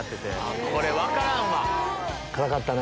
これ分からんわ。